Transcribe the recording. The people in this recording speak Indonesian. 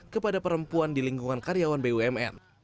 kepada perempuan di lingkungan karyawan bumn